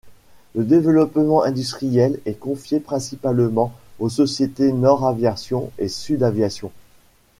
Le développement industriel est confié principalement aux sociétés Nord-Aviation et Sud-Aviation.